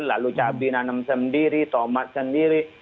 lalu cabai nanem sendiri tomat sendiri